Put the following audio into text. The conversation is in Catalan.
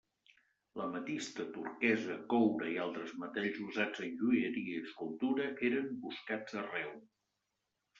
L'ametista, turquesa, coure i altres metalls usats en joieria i escultura eren buscats arreu.